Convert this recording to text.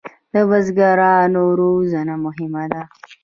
د بزګرانو روزنه مهمه ده